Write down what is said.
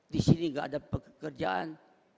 di sini gak ada pekerjaan